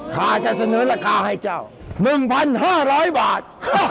ถ้าจะเสนอราคาให้เจ้า๑๕๐๐บาท